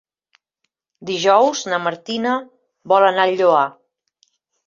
Dijous na Martina vol anar al Lloar.